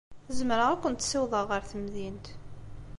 Zemreɣ ad kent-ssiwḍeɣ ɣer temdint.